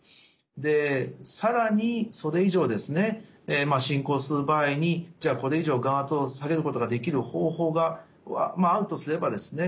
で更にそれ以上ですね進行する場合にじゃあこれ以上眼圧を下げることができる方法があるとすればですね